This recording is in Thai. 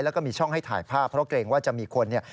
แล้วก็มีช่องให้ถ่ายภาพเพราะเกรงว่าจะมีคนเนี่ย